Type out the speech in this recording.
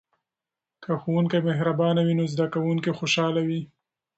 که ښوونکی مهربانه وي نو زده کوونکي خوشحاله وي.